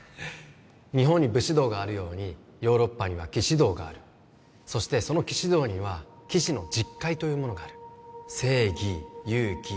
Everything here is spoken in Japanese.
日本に武士道があるようにヨーロッパには騎士道があるそしてその騎士道には騎士の十戒というものがある正義勇気